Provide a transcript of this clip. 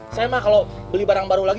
saya mah kalau beli barang baru lagi